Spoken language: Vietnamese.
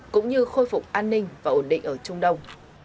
cũng như khôi phục an ninh và ổn định ở trung đông